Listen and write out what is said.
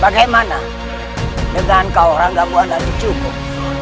bagaimana dengan kau orang gabungan dari cukup